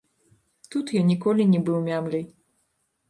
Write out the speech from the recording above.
Тут я ніколі не быў мямляй.